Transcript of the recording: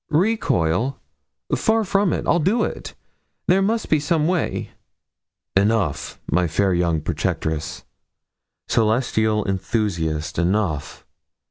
'Recoil! Far from it. I'll do it. There must be some way.' 'Enough, my fair young protectress celestial enthusiast, enough.